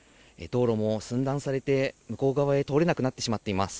道路も寸断されて、向こう側へ通れなくなってしまっています。